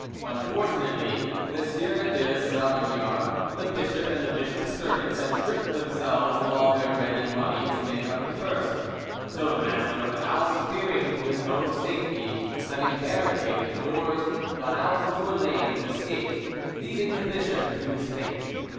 Unfortunately, the Sieur de Sauvignargues, the bishop, and the bishop's servants had stripped themselves of all their ready money to make up the first, so the master of the house, fearing for his own safety, having barricaded the doors, got out into a lane and escaped, leaving the bishop to his fate.